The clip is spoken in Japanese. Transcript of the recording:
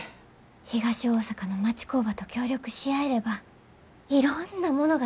東大阪の町工場と協力し合えればいろんなものが作れます。